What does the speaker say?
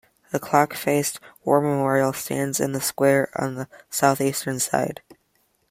A clock-faced war memorial stands in the square on the southeastern side.